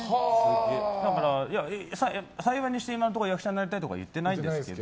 だから、幸いにして今のところ役者になりたいとかは言ってないんですけど。